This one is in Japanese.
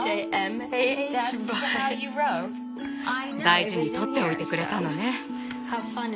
大事に取っておいてくれたのね。